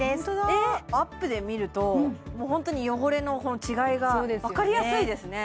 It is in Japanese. ホントだアップで見るともうホントに汚れの違いが分かりやすいですね